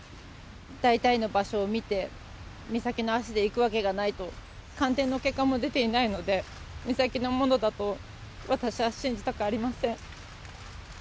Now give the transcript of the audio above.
大体の場所を見て、美咲の足で行くわけがないと、鑑定の結果も出ていないので、美咲のものだと私は信じたくありません。